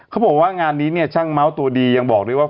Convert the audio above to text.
เขาบอกว่างานนี้เนี่ยช่างเมาส์ตัวดียังบอกด้วยว่า